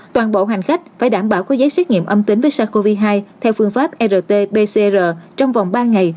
toàn bộ hành khách phải đảm bảo có giấy xét nghiệm âm tính với sars cov hai theo phương pháp rt pcr trong vòng ba ngày